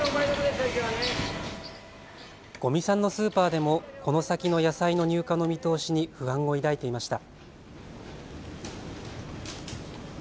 五味さんのスーパーでもこの先の野菜の入荷の見通しに不安を抱いていました。